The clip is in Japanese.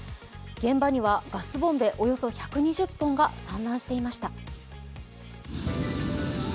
現場にはガスボンベおよそ１２０本が散乱していました。